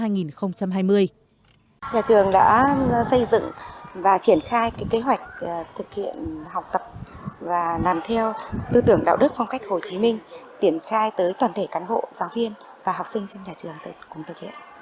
nhà trường đã xây dựng và triển khai kế hoạch thực hiện học tập và làm theo tư tưởng đạo đức phong cách hồ chí minh triển khai tới toàn thể cán bộ giáo viên và học sinh trong nhà trường cùng thực hiện